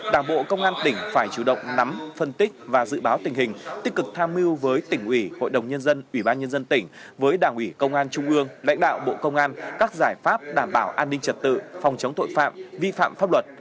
đảng bộ công an tỉnh phải chủ động nắm phân tích và dự báo tình hình tích cực tham mưu với tỉnh ủy hội đồng nhân dân ủy ban nhân dân tỉnh với đảng ủy công an trung ương lãnh đạo bộ công an các giải pháp đảm bảo an ninh trật tự phòng chống tội phạm vi phạm pháp luật